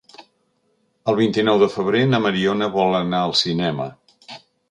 El vint-i-nou de febrer na Mariona vol anar al cinema.